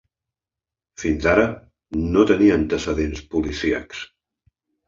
Fins ara no tenia antecedents policíacs.